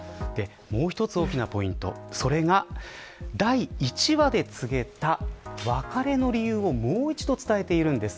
もう一つ大きなポイント、それが第１話で告げた別れの理由をもう一度、伝えているんです。